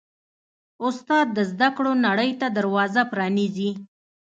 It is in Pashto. استاد د زده کړو نړۍ ته دروازه پرانیزي.